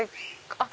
あっ！